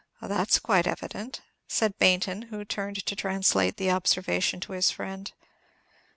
"That's quite evident," said Baynton, who turned to translate the observation to his friend.